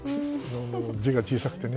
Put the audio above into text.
字が小さくてね。